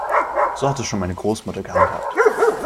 So hat es schon meine Großmutter gehandhabt.